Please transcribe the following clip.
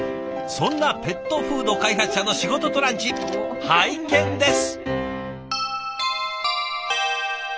そんなペットフード開発者の仕事とランチ拝見です！